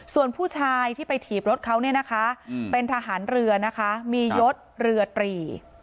ส่วนผู้ชายที่ไปถีบรถเขาเนี่ยนะคะเป็นทหารเรือนะคะมียศเรือตรี